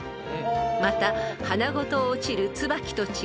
［また花ごと落ちるツバキと違い